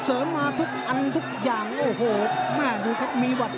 โอ้โอ้โอ้โอ้